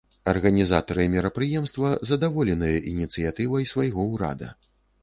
Арганізатары мерапрыемства задаволеныя ініцыятывай свайго ўрада.